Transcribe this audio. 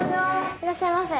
いらっしゃいませ。